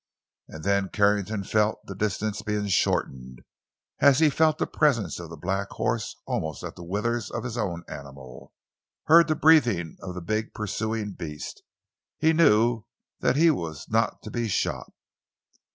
And then as Carrington felt the distance being shortened—as he felt the presence of the black horse almost at the withers of his own animal—heard the breathing of the big pursuing beast, he knew that he was not to be shot.